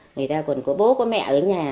người ta còn có bố có mẹ ở nhà